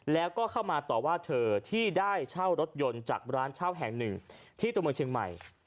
แล้วก็เข้ามาต่อว่าเธอที่ได้เช่ารถยนต์จากร้านเช่าแห่งหนึ่งที่ตัวเมืองเชียงใหม่